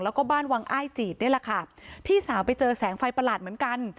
แล้วก็บ้านวังอ้ายจีดนี่แหละค่ะพี่สาวไปเจอแสงไฟประหลาดเหมือนกัน